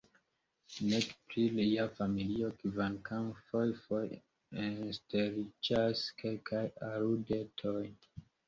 Nek pri lia familio – kvankam fojfoje enŝteliĝas kelkaj aludetoj.